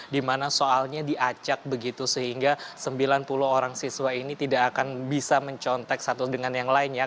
dimana soalnya diacak begitu sehingga sembilan puluh orang siswa ini tidak akan bisa mencontek satu dengan yang lain ya